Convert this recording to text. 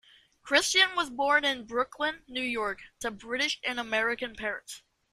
Christian was born in Brooklyn, New York, to British and American parents.